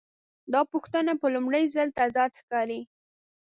دا پوښتنه په لومړي ځل تضاد ښکاري.